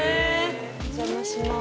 お邪魔しまーす。